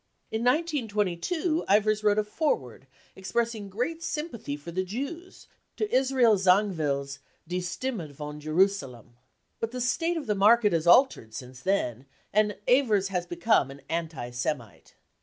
In 1922 Ewers wrote a foreword, expressing great sympathy for the Jews, to Israel Zangwill's Die Stimme von Jerusalem. But the state of the market has altered since then, and Ewers has become an anti Semite.